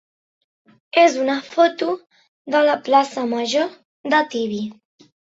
és una foto de la plaça major de Tibi.